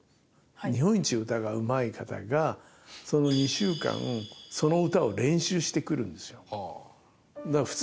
日本一歌がうまい方がその２週間その歌を練習してくるんですよ。